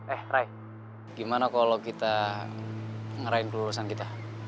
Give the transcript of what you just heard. eh raya gimana kalau kita ngeraiin kelulusan kita